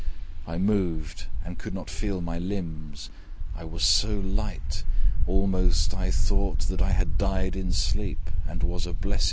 I moved, and could not feel my limbs: I was so light almost I thought that I had died in sleep, And was a blessed ghost.